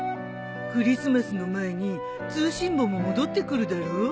クリスマスの前に通信簿も戻ってくるだろ。